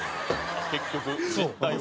結局実態は。